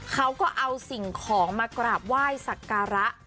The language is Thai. เขาก็เอาสิ่งของมากลับว่ายศักรระ